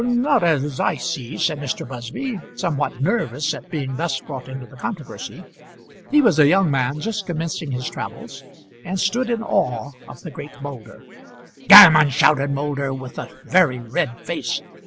"Not as I see," said Mr. Busby, somewhat nervous at being thus brought into the controversy. He was a young man just commencing his travels, and stood in awe of the great Moulder. "Gammon!" shouted Moulder, with a very red face.